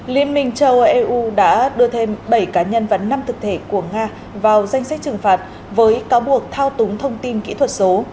liên minh châu âu eu đã đưa thêm bảy cá nhân và năm thực thể của nga vào danh sách trừng phạt với cáo buộc thao túng thông tin kỹ thuật số